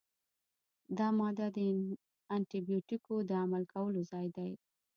دا ماده د انټي بیوټیکونو د عمل کولو ځای دی.